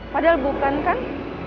padahal bukan kan